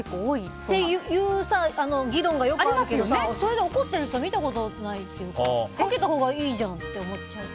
っていう議論がよくあるけどそれで怒っている人見たことがないというかかけたほうがいいじゃんって思っちゃう。